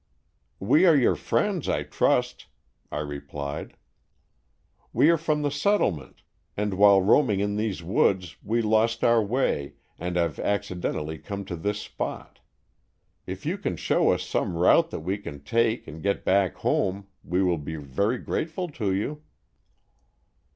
"We are your friends, I trust," I re plied; "we are from the settlement and while roaming in these woods we lost our way and have accidentally come to this spot. If you can show us some route that we can take and get back home we will be very grateful to you."